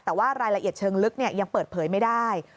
แต่ว่ารายละเอียดเชิงลึกยังเปิดเผยไม่ได้